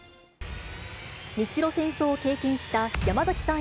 日露戦争を経験した、山崎さん